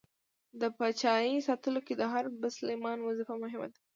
د پاچایۍ ساتلو کې د هر بسلمان وظیفه مهمه ده.